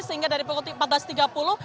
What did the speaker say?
sehingga dari pukul sepuluh tiga puluh